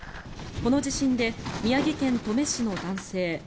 この地震で宮城県登米市の男性